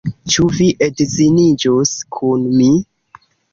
Ĉu vi edziniĝus kun mi?